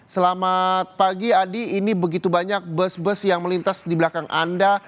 selamat pagi adi ini begitu banyak bus bus yang melintas di belakang anda